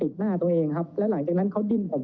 เรามีการปิดบันทึกจับกลุ่มเขาหรือหลังเกิดเหตุแล้วเนี่ย